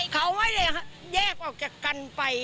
เขาไม่ได้แยกออกจากกันไป